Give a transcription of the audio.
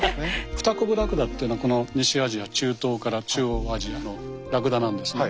フタコブラクダっていうのはこの西アジア中東から中央アジアのラクダなんですね。